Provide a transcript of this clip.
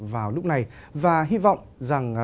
vào lúc này và hy vọng rằng